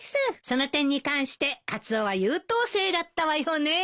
その点に関してカツオは優等生だったわよねえ。